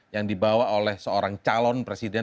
yang dibawa oleh seorang calon presiden